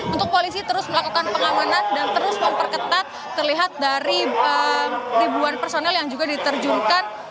untuk polisi terus melakukan pengamanan dan terus memperketat terlihat dari ribuan personel yang juga diterjunkan